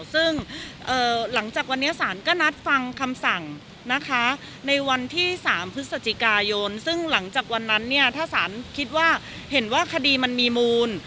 ซึ่งหลังจากวันนี้ศาลก็นัดฟังคำสั่งนะคะในวันที่๓พฤศจิกายนซึ่งหลังจากวันนั้นเนี่ยถ้าสารคิดว่าเห็นว่าคดีมันมีมูล